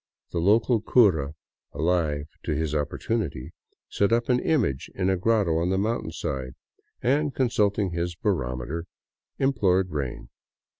The local cura, alive to his opportunity, set up an image in a grotto on the mountainside and, consulting his barometer, implored rain.